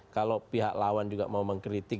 kalau pihak lawan juga mau mengkritik